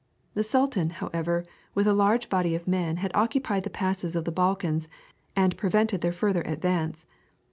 The sultan, however, with a large body of men had occupied the passes of the Balkans and prevented their farther advance.